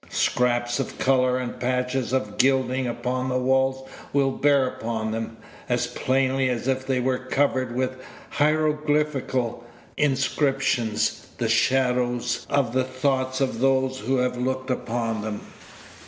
Scraps of color and patches of gilding upon the walls will bear upon them, as plainly as if they were covered with hieroglyphical inscriptions, the shadows of the thoughts of those who have looked upon them.